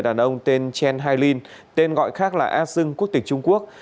đàn ông tên chen hailin tên gọi khác là a sưng quốc tịch trung quốc